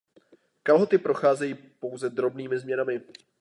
Kalhoty procházejí pouze drobnými změnami.